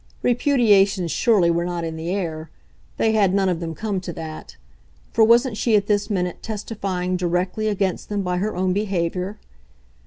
Repudiations, surely, were not in the air they had none of them come to that; for wasn't she at this minute testifying directly against them by her own behaviour?